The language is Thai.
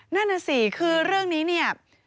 นั่นน่ะสิคือเรื่องนี้เนี่ย